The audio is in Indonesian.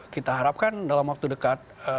kita harapkan dalam waktu dekat